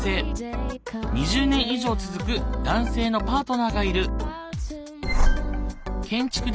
２０年以上続く男性のパートナーがいる。